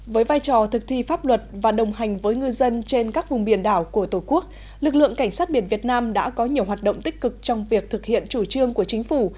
với vai trò thực thi pháp luật và đồng hành với ngư dân trên các vùng biển đảo của tổ quốc lực lượng cảnh sát biển việt nam đã có nhiều hoạt động tích cực trong việc thực hiện chủ trương của chính phủ